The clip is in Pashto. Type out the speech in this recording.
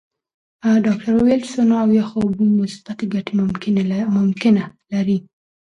ډاکټره وویل چې سونا او یخو اوبو مثبتې ګټې ممکنه لري.